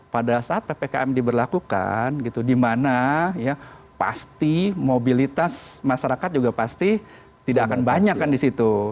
pada saat ppkm diberlakukan gitu di mana ya pasti mobilitas masyarakat juga pasti tidak akan banyak kan di situ